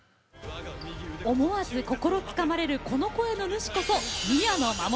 思わず心つかまれるこの声の主こそ、宮野真守。